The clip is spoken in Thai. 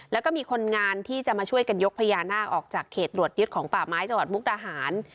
แล้วก็มีคนงานที่จะมาช่วยกันยกพญานาคออกจากเขตตรวจยึดของป่าไม้จังหวัดมุกดาหาร